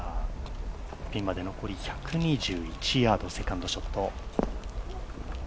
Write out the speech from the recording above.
ピンまで残り１２１ヤード、セカンドショット。